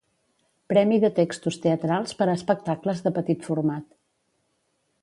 Premi de textos teatrals per a espectacles de petit format.